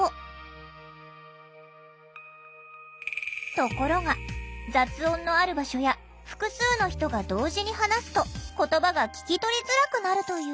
ところが雑音のある場所や複数の人が同時に話すと言葉が聞き取りづらくなるという。